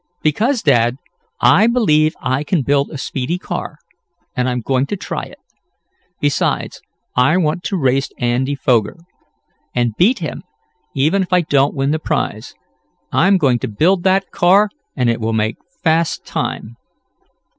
"Because, Dad, I believe I can build a speedy car, and I'm going to try it. Besides I want to race Andy Foger, and beat him, even if I don't win the prize. I'm going to build that car, and it will make fast time."